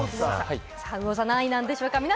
うお座は何位なんでしょうか？